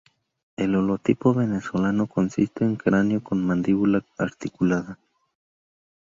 El holotipo venezolano consiste en cráneo con mandíbula articulada.